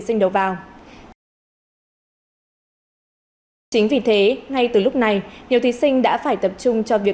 sinh đầu vào chính vì thế ngay từ lúc này nhiều thí sinh đã phải tập trung cho việc